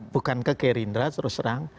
bukan ke gerindra terus terang